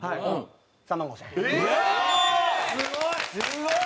すごい！